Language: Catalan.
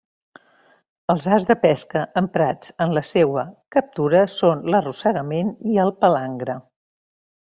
Els arts de pesca emprats en la seua captura són l'arrossegament i el palangre.